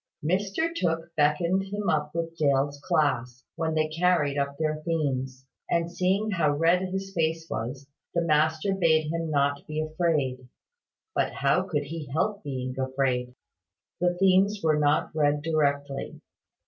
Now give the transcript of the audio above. Mr Tooke beckoned him up with Dale's class, when they carried up their themes; and, seeing how red his face was, the master bade him not be afraid. But how could he help being afraid? The themes were not read directly.